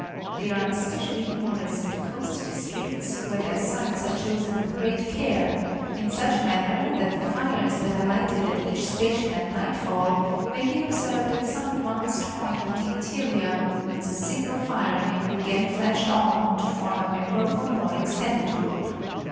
They are especially numerous in the coast districts, where their sites are chosen with great care, in such manner that the fires that are lighted at each station at night fall may be observed at some ad vanced point of the interior, whence a single fire may be again flashed on, to form a member of a more extended group.